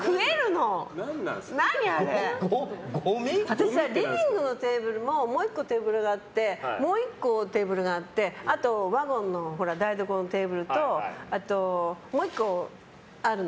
私、リビングのテーブルともう１個テーブルがあってもう１個テーブルがあってあと、ワゴンの台所のテーブルとあと、もう１個あるの。